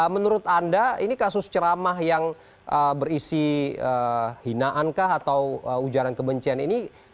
menurut anda ini kasus ceramah yang berisi hinaankah atau ujaran kebencian ini